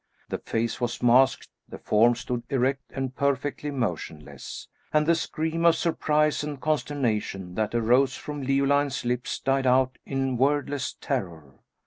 The face was masked, the form stood erect and perfectly motionless, and the scream of surprise and consternation that arose to Leoline's lips died out in wordless terror.